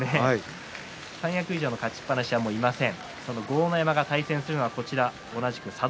三役以上の勝ちっぱなしはいません。